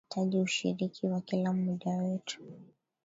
Dhana inahitaji ushiriki wa kila mmoja wetu